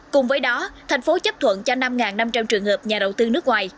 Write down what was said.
cùng với đó thành phố chấp thuận cho năm năm trăm linh trường hợp nhà đầu tư nước ngoài